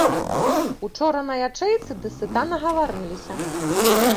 Учора на ячэйцы дасыта нагаварыліся.